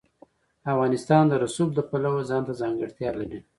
افغانستان د رسوب د پلوه ځانته ځانګړتیا لري.